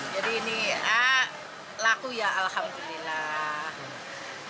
jadi ini laku ya alhamdulillah